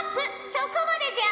そこまでじゃ！